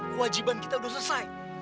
kewajiban kita udah selesai